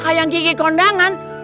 kayang kiki ke undangan